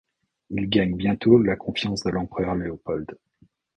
Il gagne bientôt la confiance de l'empereur Léopold.